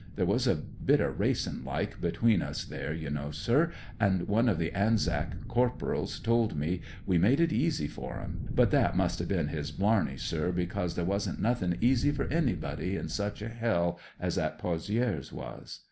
There was a bit of racin', like, between us there, you know, sir, and one of the Anzac corporals told me we made it easy for them ; but that must Ve been his blarney, sir, because there wasn't nothing easy for anybody in such a hell as that Posddres was.